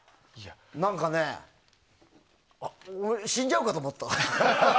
何かね、死んじゃうかと思った。